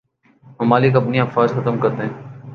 ممالک اپنی افواج ختم کر دیں